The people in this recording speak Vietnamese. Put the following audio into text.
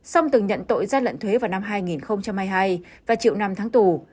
xong từng nhận tội gian lận thuế vào năm hai nghìn hai mươi hai và chịu năm tháng tù